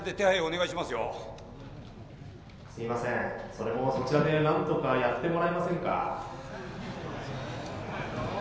それもそちらでなんとかやってもらえませんか？」。